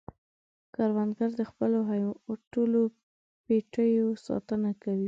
کروندګر د خپلو ټولو پټیو ساتنه کوي